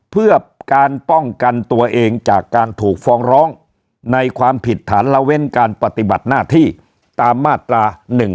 เพื่อการป้องกันตัวเองจากการถูกฟ้องร้องในความผิดฐานละเว้นการปฏิบัติหน้าที่ตามมาตรา๑๔